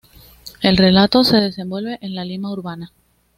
El relato se desenvuelve en la Lima urbana.